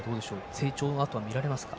成長などは見られますか？